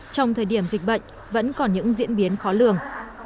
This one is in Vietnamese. trong thời điểm dịch bệnh vẫn còn những diễn biến khó lường